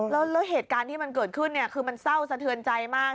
แล้วเหตุการณ์ที่มันเกิดขึ้นเนี่ยคือมันเศร้าสะเทือนใจมาก